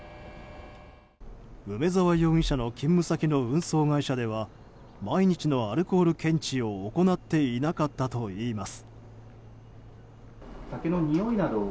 梅沢容疑者の勤務先の運送会社では毎日のアルコール検知を行っていなかったといいます。